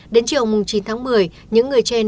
đến chiều chín một mươi những người trên